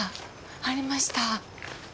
ありました。